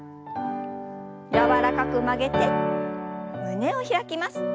柔らかく曲げて胸を開きます。